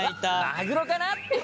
マグロかな！？